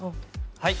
はい。